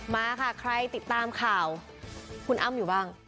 มาค่ะใครติดตามข่าวคุณอ้ำอยู่บ้าง